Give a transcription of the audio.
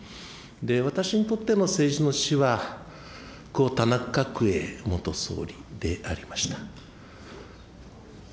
私にとっての政治の師は、故・田中角栄元総理でありました。